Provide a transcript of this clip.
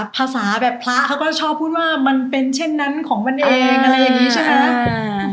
ภาษาแบบพระเขาก็ชอบพูดว่ามันเป็นเช่นนั้นของมันเองอะไรอย่างนี้ใช่ไหม